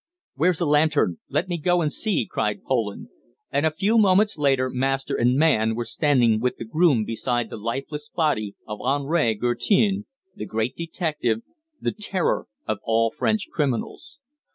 "Where's a lantern? Let me go and see!" cried Poland. And a few moments later master and man were standing with the groom beside the lifeless body of Henri Guertin, the great detective, the terror of all French criminals.